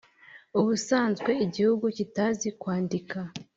ubusanzwe igihugu kitazi kwandika,